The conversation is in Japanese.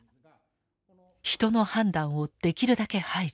人の判断をできるだけ排除。